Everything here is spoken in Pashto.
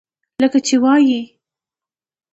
لکه چې وائي: